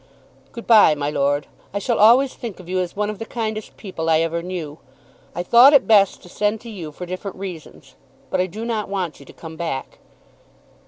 "Good bye, my lord. I shall always think of you as one of the kindest people I ever knew. I thought it best to send to you for different reasons, but I do not want you to come back."